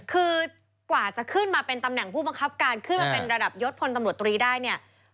คือกว่าจะขึ้นมาเป็นตำแหน่งผู้บังคับการขึ้นมาเป็นระดับยศพลตำรวจตรีได้เนี่ย